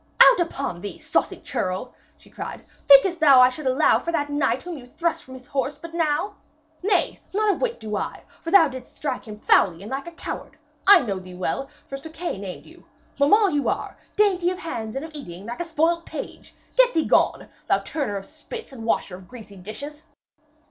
'Out upon thee, saucy churl!' she cried. 'Thinkest thou I should allow for that knight whom you thrust from his horse but now? Nay, not a whit do I, for thou didst strike him foully and like a coward! I know thee well, for Sir Kay named you. Beaumains you are, dainty of hands and of eating, like a spoilt page. Get thee gone, thou turner of spits and washer of greasy dishes!'